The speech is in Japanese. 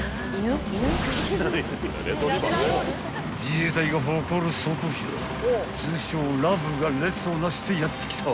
［自衛隊が誇る装甲車通称ＬＡＶが列を成してやって来た］